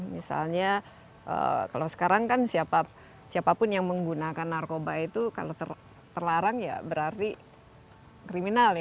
misalnya kalau sekarang kan siapapun yang menggunakan narkoba itu kalau terlarang ya berarti kriminal ya